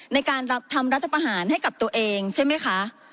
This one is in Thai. ในการทำรัฐประหารให้กับตัวเองใช่ไหมคะ